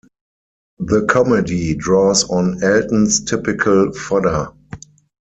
The comedy draws on Elton's typical fodder.